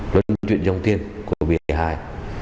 luân chuyển dòng tiền của bìa hải